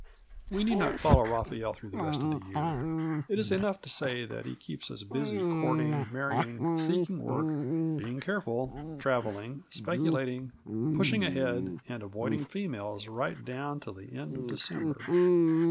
We need not follow Raphael through the rest of the year. It is enough to say that he keeps us busy courting, marrying, seeking work, being careful, travelling, speculating, pushing ahead, and avoiding females right down till the end of December.